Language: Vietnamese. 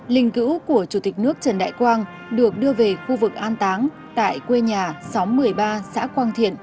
linh cứu của chủ tịch nước trần đại quang được đưa về khu vực an táng tại quê nhà xóm một mươi ba xã quang thiện